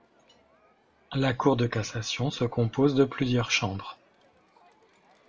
La Cour de cassation se compose de plusieurs chambres.